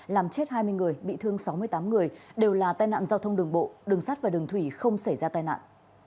làm chết hai mươi người bị thương sáu mươi tám người đều là tai nạn giao thông đường bộ đường sắt và đường thủy không xảy ra tai nạn